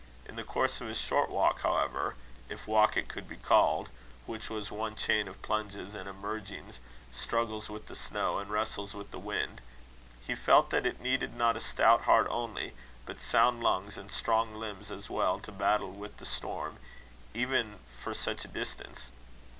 In the course of his short walk, however, if walk it could be called, which was one chain of plungings and emergings, struggles with the snow, and wrestles with the wind, he felt that it needed not a stout heart only, but sound lungs and strong limbs as well, to battle with the storm, even for such a distance.